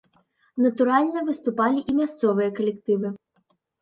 Натуральна, выступалі і мясцовыя калектывы.